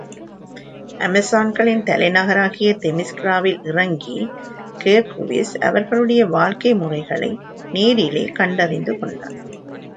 அமெசான்களின் தலைநகராகிய தெமிஸ்கிராவில் இறங்கி, ஹெர்க்குவிஸ் அவர்களுடைய வாழ்க்கை முறைகளை நேரிலே கண்டறிந்துகொண்டான்.